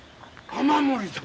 雨漏りだ。